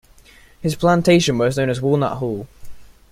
His plantation was known as Walnut Hall.